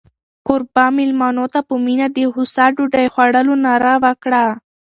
کوربه مېلمنو ته په مینه د هوسا ډوډۍ خوړلو ناره وکړه.